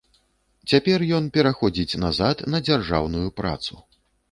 Цяпер ён пераходзіць назад на дзяржаўную працу.